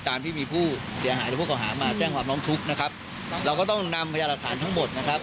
ตามที่มีผู้เสียหายหรือผู้เก่าหามาแจ้งความร้องทุกข์นะครับเราก็ต้องนำพยาหลักฐานทั้งหมดนะครับ